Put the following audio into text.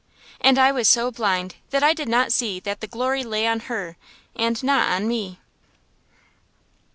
And I was so blind that I did not see that the glory lay on her, and not on me.